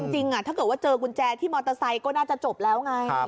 จริงถ้าเกิดว่าเจอกุญแจที่มอเตอร์ไซค์ก็น่าจะจบแล้วไง